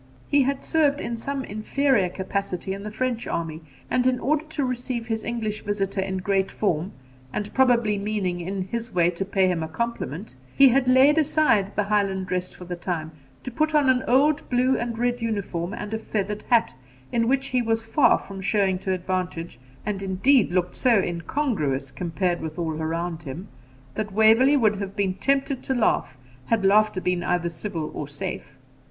He had served in some inferior capacity in the French army, and in order to receive his English visitor in great form, and probably meaning, in his way, to pay him a compliment, he had laid aside the Highland dress for the time, to put on an old blue and red uniform and a feathered hat, in which he was far from showing to advantage, and indeed looked so incongruous, compared with all around him, that Waverley would have been tempted to laugh, had laughter been either civil or safe.